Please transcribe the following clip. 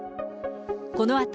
このあと、